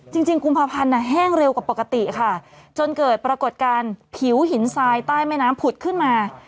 จริงจริงกุมภาพันธ์แห้งเร็วกว่าปกติค่ะจนเกิดปรากฏการณ์ผิวหินทรายใต้แม่น้ำผุดขึ้นมา